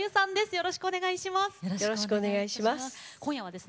よろしくお願いします。